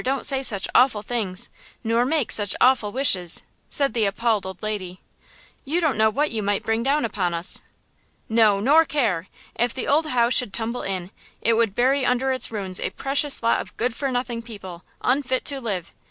don't say such awful things, nor make such awful wishes!" said the appalled old lady–"you don't know what you might bring down upon us!" "No, nor care! If the old house should tumble in, it would bury under its ruins a precious lot of good for nothing people, unfit to live!